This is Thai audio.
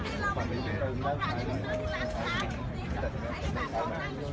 มีผู้ที่ได้รับบาดเจ็บและถูกนำตัวส่งโรงพยาบาลเป็นผู้หญิงวัยกลางคน